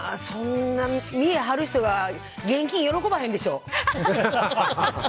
そんな見え張る人が現金喜ばへんでしょ。